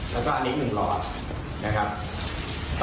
แล้วก็อันนี้๑หลอดนะครับ